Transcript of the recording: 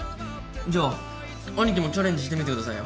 じゃアニキもチャレンジしてみてくださいよ。